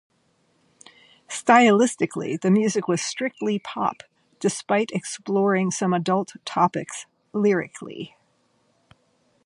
Stylistically the music was strictly pop, despite exploring some adult topics lyrically.